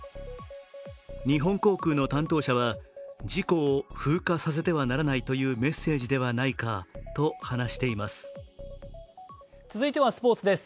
日本航空の担当者は、事故を風化させてはならないというメッセージではないかと話しています。